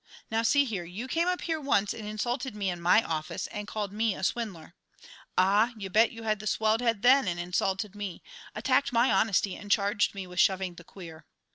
Now, see here, you came up here once and insulted me in my office, and called me a swindler. Ah, you bet you had the swelled head then and insulted me, attacked my honesty and charged me with shoving the queer.